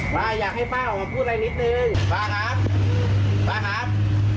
ป้าอยากให้ป้าออกมาพูดอะไรนิดนึงป้าครับป้าครับ